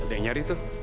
ya ada yang nyari itu